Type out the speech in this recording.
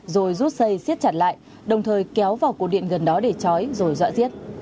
rồi rút xây xiết chặt lại đồng thời kéo vào cổ điện gần đó để chói rồi dọa giết